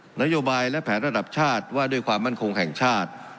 นโยบายและแผนระดับชาติว่าด้วยความมั่นคงแห่งชาติ